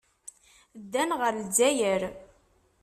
Ddan ɣer Lezzayer.